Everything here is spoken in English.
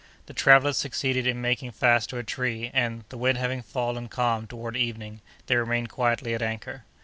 The travellers succeeded in making fast to a tree, and, the wind having fallen calm toward evening, they remained quietly at anchor.